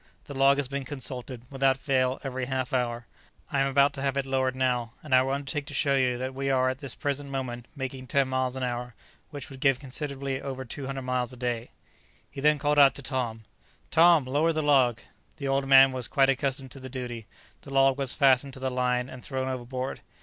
The log has been consulted, without fail, every half hour. I am about to have it lowered now, and I will undertake to show you that we are at this present moment making ten miles an hour, which would give considerably over 200 miles a day." He then called out to Tom, "Tom, lower the log!" The old man was quite accustomed to the duty. The log was fastened to the line and thrown overboard.